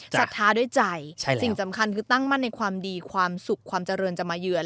ศรัทธาด้วยใจสิ่งสำคัญคือตั้งมั่นในความดีความสุขความเจริญจะมาเยือน